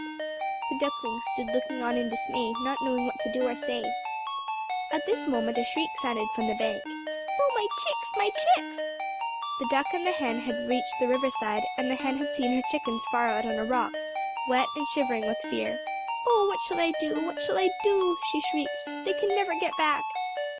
The ducklings stood looking on in dismay, not knowing what to do or say. At this moment a shriek sounded from the bank. "Oh, my chicks! my chicks!" The duck and the hen had reached the river side, and the hen had seen her chickens far out on a rock, wet and shivering with fear. "Oh what shall I do! What shall I do," she shrieked. "They can never get back."